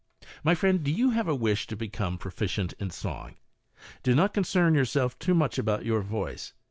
My friend, have you a wish to become proficient in song? Do not concern yourself too much about your voice.